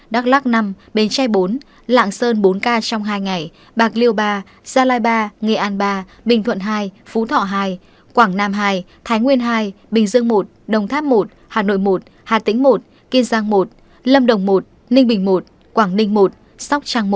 đắk lắc năm bến tre bốn lạng sơn bốn ca trong hai ngày bạc liêu ba gia lai ba nghệ an ba bình thuận hai phú thọ hai quảng nam hai thái nguyên hai bình dương một đồng tháp một hà nội một hà tĩnh một kiên giang một lâm đồng một ninh bình một quảng ninh một sóc trăng một